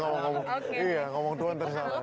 kayaknya jadul banget ya